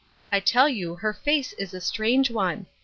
I tell you her face is a strange one.